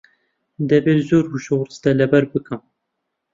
دەبێت زۆر وشە و ڕستە لەبەر بکەم.